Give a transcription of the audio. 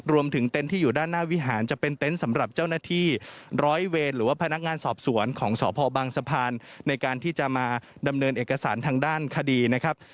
เต็นต์ที่อยู่ด้านหน้าวิหารจะเป็นเต็นต์สำหรับเจ้าหน้าที่ร้อยเวรหรือว่าพนักงานสอบสวนของสพบางสะพานในการที่จะมาดำเนินเอกสารทางด้านคดีนะครับ